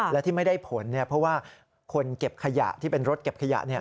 และที่ไม่ได้ผลเพราะว่าคนเก็บขยะที่เป็นรถเก็บขยะ